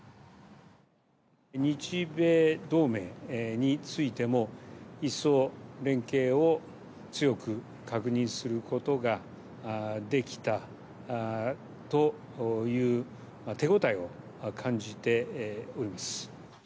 日米同盟についても、一層、連携を強く確認することができたという手応えを感じております。